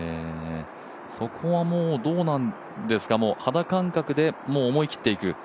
そこはどうなんですか、肌感覚で思い切っていく？